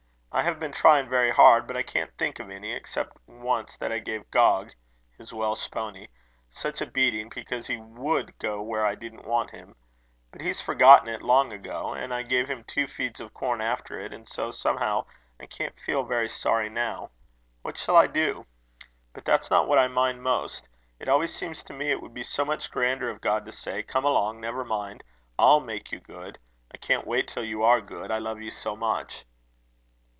"I have been trying very hard; but I can't think of any, except once that I gave Gog" (his Welsh pony) "such a beating because he would go where I didn't want him. But he's forgotten it long ago; and I gave him two feeds of corn after it, and so somehow I can't feel very sorry now. What shall I do? But that's not what I mind most. It always seems to me it would be so much grander of God to say: 'Come along, never mind. I'll make you good. I can't wait till you are good; I love you so much.'"